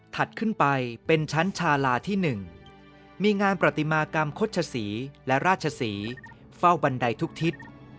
ถัดขึ้นไปเป็นชั้นชาลาที่๑มีงานประติมากรรมคดชศรีและราชศรีเฝ้าบันไดทุกทิศ